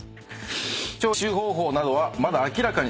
徴収方法などはまだ明らかに。